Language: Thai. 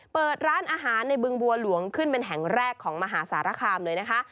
เปิดร้านอาหารในบึงบัวหลวงขึ้นเป็นแห่งแรกของมหาสารคามเลยนะคะ